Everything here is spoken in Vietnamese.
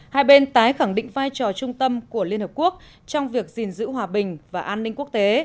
hai bên tái khẳng định vai trò trung tâm của liên hợp quốc trong việc gìn giữ hòa bình và an ninh quốc tế